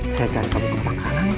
saya cari kamu ke pak halang